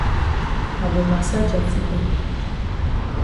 I go massage ya foot dem.